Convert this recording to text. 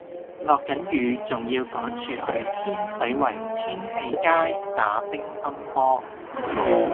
落緊雨仲要趕住去天水圍天喜街打乒乓波